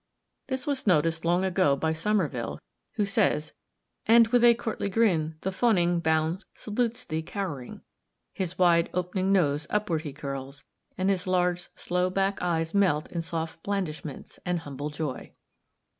This was noticed long ago by Somerville, who says, "And with a courtly grin, the fawning hound Salutes thee cow'ring, his wide op'ning nose Upward he curls, and his large sloe back eyes Melt in soft blandishments, and humble joy."